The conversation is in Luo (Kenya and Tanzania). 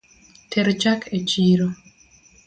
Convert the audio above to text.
Ter chak e chiro